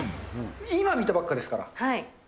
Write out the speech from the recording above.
今見たばっかですから。